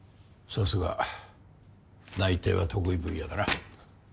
さすが内偵は得意分野だな。